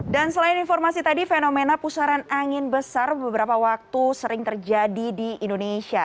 dan selain informasi tadi fenomena pusaran angin besar beberapa waktu sering terjadi di indonesia